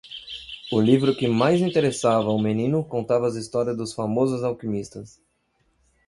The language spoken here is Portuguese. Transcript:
O livro que mais interessava ao menino contava as histórias dos famosos alquimistas.